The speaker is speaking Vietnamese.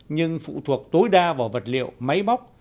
nhưng phụ thuộc tối đa vào vật liệu máy móc